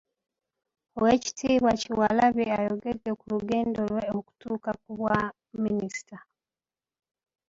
Oweekitiibwa Kyewalabye ayogedde ku lugendo lwe okutuuka ku Bwa minisita.